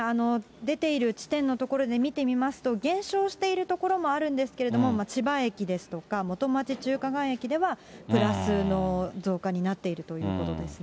出ている地点の所で見てみますと、減少している所もあるんですけれども、千葉駅ですとか、元町・中華街駅ではプラスの増加になっているということですね。